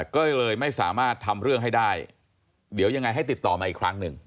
ก็เลยไม่สามารถทำเรื่องให้ได้เดี๋ยวยังไงให้ติดต่อมาอีกครั้งหนึ่ง